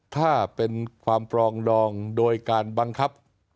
ถ้าเป็นความปรองดองโดยการบังคับ